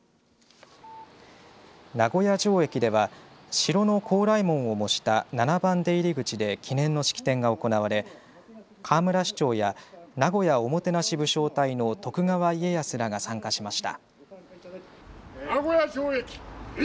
名古屋城駅では城の高麗門を模した７番出入り口で記念の式典が行われ河村市長や名古屋おもてなし武将隊の徳川家康らが参加しました。